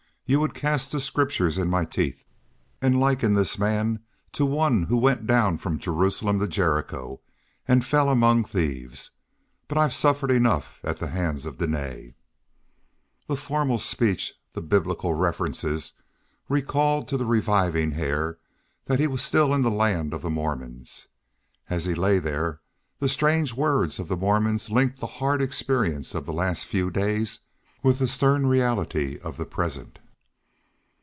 "You would cast the Scriptures in my teeth, and liken this man to one who went down from Jerusalem to Jericho and fell among thieves. But I've suffered enough at the hands of Dene." The formal speech, the Biblical references, recalled to the reviving Hare that he was still in the land of the Mormons. As he lay there the strange words of the Mormons linked the hard experience of the last few days with the stern reality of the present.